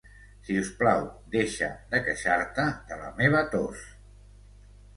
Si us plau, deixa de queixar-te de la meva tos.